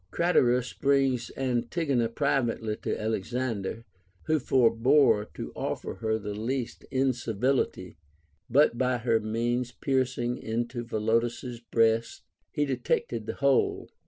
Craterus brings Antigona privately to Alexander, who forbore to offer her the least incivility, but by her means piercing into Philotas's breast, he detected the whole.